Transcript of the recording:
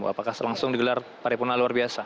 apakah langsung digelar paripurna luar biasa